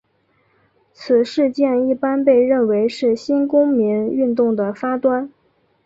此事件一般被认为是新公民运动的发端。